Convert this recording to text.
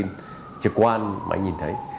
những cái thông tin trực quan mà anh nhìn thấy